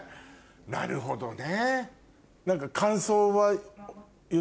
なるほどね。